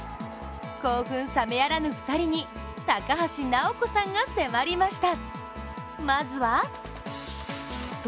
興奮冷めやらぬ２人に高橋尚子さんが迫りました。